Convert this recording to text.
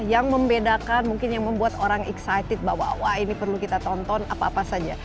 yang membedakan mungkin yang membuat orang excited bahwa wah ini perlu kita tonton apa apa saja